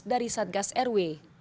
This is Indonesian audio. dari satgas rw